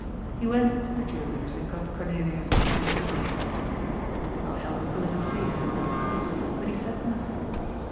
He went into the jeweller's and got Cornelia's coveted bracelet. He could not help pulling a face over the price. 364 GOD'S FOOL. but he said nothing.